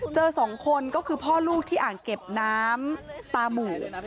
สองคนก็คือพ่อลูกที่อ่างเก็บน้ำตามู